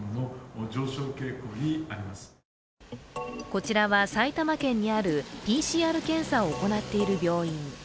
こちらは埼玉県にあるＰＣＲ検査を行っている病院。